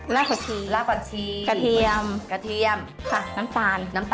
ราดขวดชีกระเทียมน้ำตาล